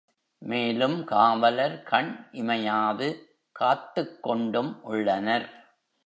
மேலும் காவலர் கண் இமையாது காத்துக் கொண்டும் உள்ளனர்.